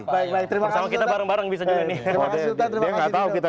baik baik terima kasih sultan